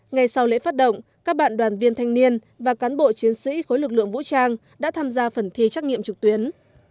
ngay sau lễ phát động các bạn đoàn viên thanh niên và cán bộ chiến sĩ khối lực lượng vũ trang đã tham gia phần thi trắc nghiệm trực tuyến